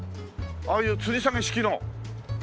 ああいうつり下げ式の。